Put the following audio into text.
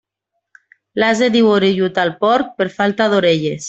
L'ase diu orellut al porc, per falta d'orelles.